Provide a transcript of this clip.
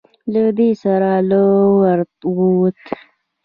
له دې سره له وره ووت.